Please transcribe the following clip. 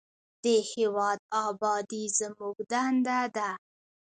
د هیواد ابادي زموږ دنده ده